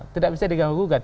tidak bisa diganggu gugat